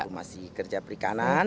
masih kerja perikanan